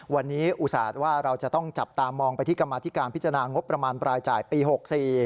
วันนี้อุตส่าห์ว่าเราจะต้องจับตามองไปที่กรรมาธิการพิจารณางบประมาณรายจ่ายปี๖๔